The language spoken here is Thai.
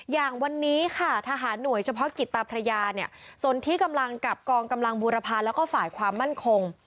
อย่างวันนี้ค่ะทหารหน่วยเฉพาะกิจตาพระยาเนี่ยสนที่กำลังกับกองกำลังบูรพาแล้วก็ฝ่ายความมั่นคง